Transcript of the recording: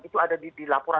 itu ada di lapangan indonesia